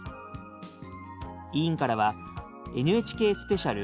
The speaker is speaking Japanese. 委員からはＮＨＫスペシャル